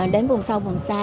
đến vùng sâu vùng xa